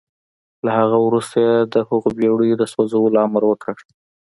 له هغه وروسته يې د هغو بېړيو د سوځولو امر وکړ.